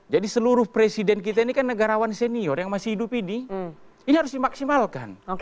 jadi seluruh presiden kita ini kan negarawan senior yang masih hidup ini ini harus dimaksimalkan